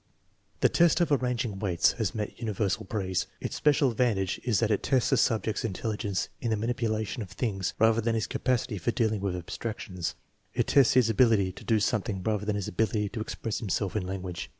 The test of arranging weights has met universal praise. Its special advantage is that it tests the subject's intelli 240 THE MEASUREMENT OF INTELLIGENCE gence in the manipulation of things rather than his capacity for dealing with abstractions. It tests his ability to do something rather than his ability to express himself in language.